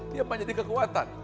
dia menjadi kekuatan